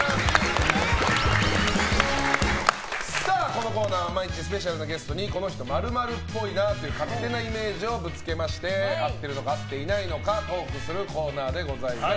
このコーナーは毎日スペシャルなゲストにこの人○○っぽいなという勝手なイメージをぶつけまして合ってるのか合っていないのかトークするコーナーでございます。